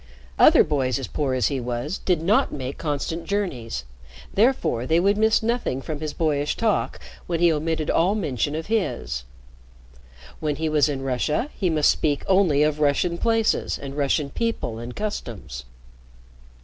Other boys as poor as he was did not make constant journeys, therefore they would miss nothing from his boyish talk when he omitted all mention of his. When he was in Russia, he must speak only of Russian places and Russian people and customs.